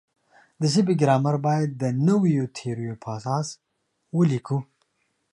د ژبې ګرامر باید د نویو تیوریو پر اساس ولیکو.